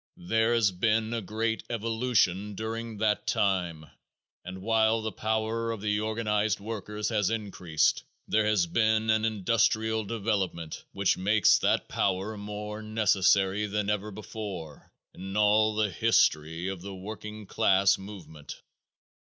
There has been a great evolution during that time and while the power of the organized workers has increased there has been an industrial development which makes that power more necessary than ever before in all the history of the working class movement.